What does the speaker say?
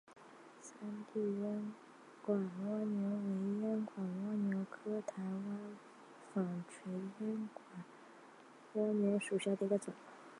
山地烟管蜗牛为烟管蜗牛科台湾纺锤烟管蜗牛属下的一个种。